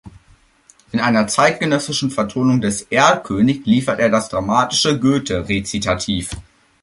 In einer zeitgenössischen Vertonung des "Erlkönig" lieferte er das dramatische Goethe-Rezitativ.